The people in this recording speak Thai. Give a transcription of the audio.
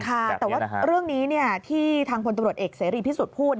แต่ว่าเรื่องนี้ที่ทางพลตรวจเอกเสร็จที่สุดพูด